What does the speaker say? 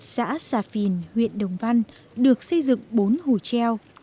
xã xà phìn huyện đồng văn được xây dựng bốn hồ treo